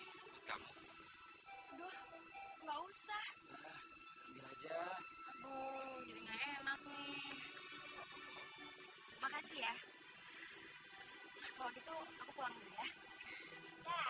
hai ini kamu udah nggak usah aja enak nih makasih ya kalau gitu aku pulang ya